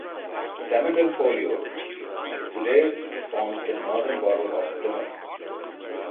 Tamerton Foliot today forms the northern border of Plymouth.